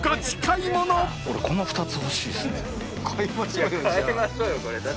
俺この２つ欲しいっすね。